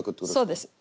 そうです。